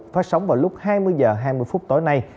phát sóng vào lúc hai mươi h hai mươi phút tối nay